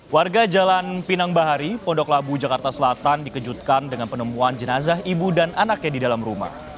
warga jalan pinang bahari pondok labu jakarta selatan dikejutkan dengan penemuan jenazah ibu dan anaknya di dalam rumah